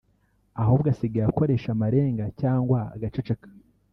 ahubwo asigaye akoresha amarenga cyangwa agaceceka